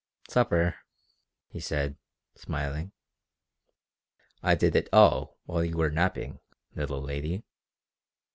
"Supper," he said, smiling. "I did it all while you were napping, little lady.